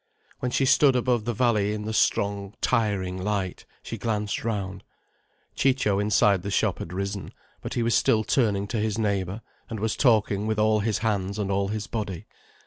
When she stood above the valley in the strong, tiring light, she glanced round. Ciccio inside the shop had risen, but he was still turning to his neighbour and was talking with all his hands and all his body.